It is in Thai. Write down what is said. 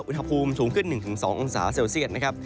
อุณหภูมิสูงขึ้น๑๒องศาเซลเซียตนะครับ